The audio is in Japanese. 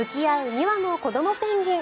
２羽の子どもペンギン。